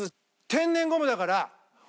天然ゴムだから。